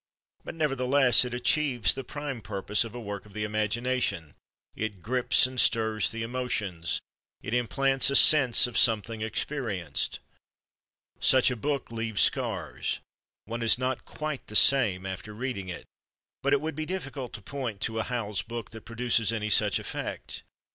But nevertheless it achieves the prime purpose of a work of the imagination: it grips and stirs the emotions, it implants a sense of something experienced. Such a book leaves scars; one is not quite the same after reading it. But it would be difficult to point to a Howells book that produces any such effect.